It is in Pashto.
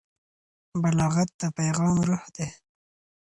بلاغت د پیغام روح دی.